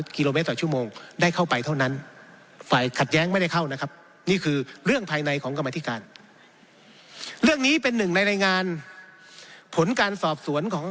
๗๙๒๓กิโลเมตรต่อชั่วโมงได้เข้าไปเท่านั้น